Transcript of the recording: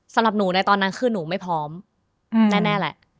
สำหรับหนูในตอนนั้นคือหนูไม่พร้อมแน่แหละ